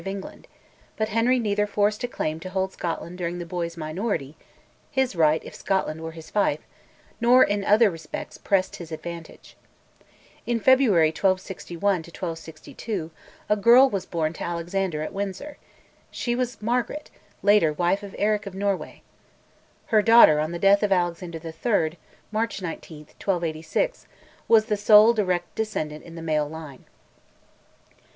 of England, but Henry neither forced a claim to hold Scotland during the boy's minority (his right if Scotland were his fief), nor in other respects pressed his advantage. In February 1261 1262 a girl was born to Alexander at Windsor; she was Margaret, later wife of Eric of Norway. Her daughter, on the death of Alexander III. (March 19, 1286), was the sole direct descendant in the male line.